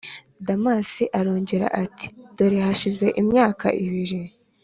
damas arongera ati: dore hashize imyaka ibiri,